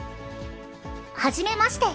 はじめまして。